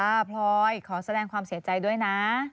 พลอยขอแสดงความเสียใจด้วยนะ